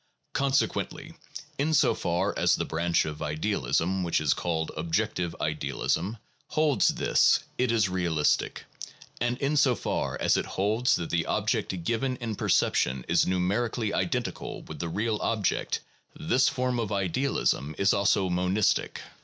Consequently, in so far as the branch of idealism which is called objective idealism holds this, it is realistic; and in so far as it holds that the object given in perception is numerically identical with the real object, this form of idealism is also monistic.